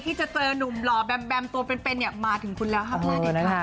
ที่จะเจอนุมหลอแบมตัวเป็นเนี่ยมาถึงคุณแล้วครับนานเองค่ะ